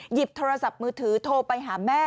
หยิบโทรศัพท์มือถือโทรไปหาแม่